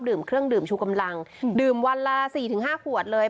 เครื่องดื่มชูกำลังดื่มวันละ๔๕ขวดเลย